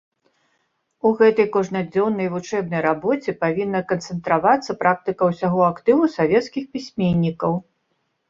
У гэтай кожнадзённай вучэбнай рабоце павінна канцэнтравацца практыка ўсяго актыву савецкіх пісьменнікаў.